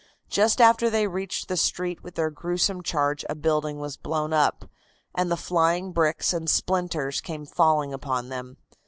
Just after they reached the street with their gruesome charge a building was blown up, and the flying bricks and splinters came falling upon them.